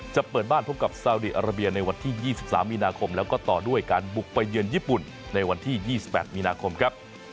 จะเปิดบ้านพบกับซาวดีอาราเบียในวันที่๒๓มีนาคมแล้วก็ต่อด้วยการบุกไปเยือนญี่ปุ่นในวันที่๒๘มีนาคมครับ